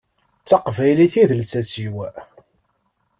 D taqbaylit i d lsas-iw.